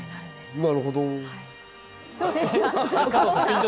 なるほど。